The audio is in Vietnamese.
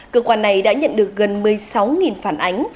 cơ quan này đã nhận được gần một mươi sáu phản ánh